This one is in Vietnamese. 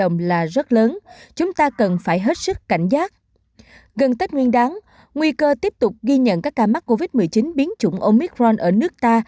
gần tết nguyên đán nguy cơ tiếp tục ghi nhận các ca mắc covid một mươi chín biến chủng omicron ở nước ta